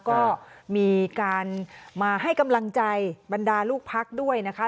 ก็มีการมาให้กำลังใจบรรดาลูกพักด้วยนะคะ